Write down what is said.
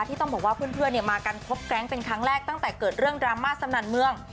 ที่ต้องบอกว่าเพื่อนเพื่อนเนี่ยมากันคบแก๊งเป็นครั้งแรกตั้งแต่เกิดเรื่องดราม่าสำนันเมือง